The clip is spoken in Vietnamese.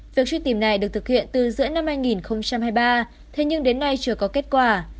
việc truy tìm này được thực hiện từ giữa năm hai nghìn hai mươi ba thế nhưng đến nay chưa có kết quả